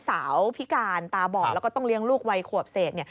สาวพิการตาบอดแล้วก็ต้องเลี้ยงลูกวัยขวบเศษ